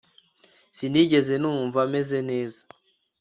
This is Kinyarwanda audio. Sinigeze numva meze neza